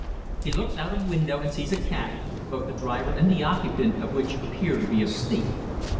He looks out of window and sees a cab, both the driver and the occupant of which appear to be asleep.